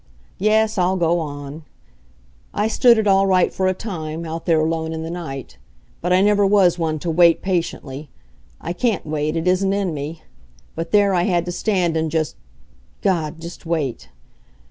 Yes, I'll go on. I stood it all right for a time, out there alone in the night. But I never was one to wait patiently. I can't wait it isn't in me. But there I had to stand and just God! just wait.